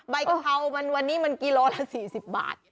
ใบกะเพราวันนี้กิโลกรัมละ๔๐บาท